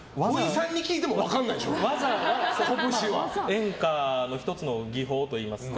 演歌の１つの技法といいますか。